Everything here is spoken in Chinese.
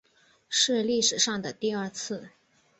是历史上的第二次